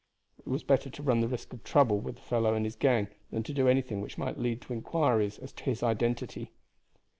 It was better to run the risk of trouble with the fellow and his gang than to do anything which might lead to inquiries as to his identity.